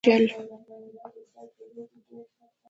د خلکو د مالکیت حقوق یې وګواښل.